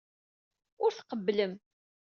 Ur tqebblem.